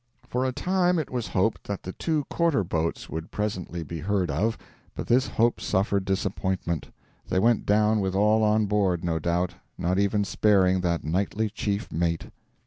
For a time it was hoped that the two quarter boats would presently be heard of, but this hope suffered disappointment. They went down with all on board, no doubt, not even sparing that knightly chief mate.